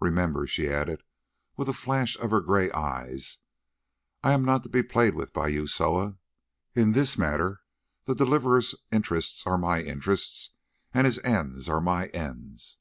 Remember," she added with a flash of her grey eyes, "I am not to be played with by you, Soa. In this matter the Deliverer's interests are my interests, and his ends my ends.